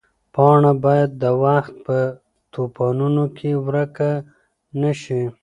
پاڼه باید د وخت په توپانونو کې ورکه نه شي.